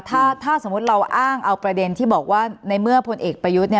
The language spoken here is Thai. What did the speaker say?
ถ้าถ้าสมมุติเราอ้างเอาประเด็นที่บอกว่าในเมื่อพลเอกประยุทธ์เนี่ย